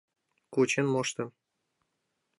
кучен моштен.